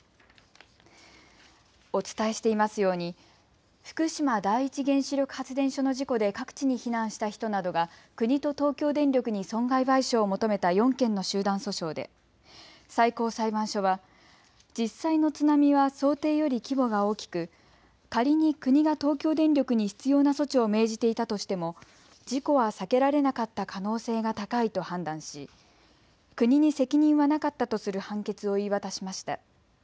お伝えしていますように福島第一原子力発電所の事故で各地に避難した人などが国と東京電力に損害賠償を求めた４件の集団訴訟で最高裁判所は実際の津波は想定より規模が大きく仮に国が東京電力に必要な措置を命じていたとしても事故は避けられなかった可能性が高いと判断し国に責任はなかったとする判決を言い渡しました。